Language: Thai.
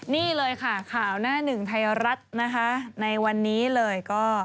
นี่เลยค่ะข่าวหน้าหนึ่งไทยรัฐนะคะในวันนี้เลยก็